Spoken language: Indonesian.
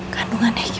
terus sangat ngerti